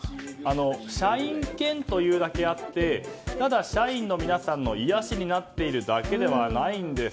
社員犬というだけあってただ社員の皆さんの癒やしになっているだけではないんです。